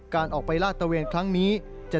การออกไปลาดตะเวนครั้งนี้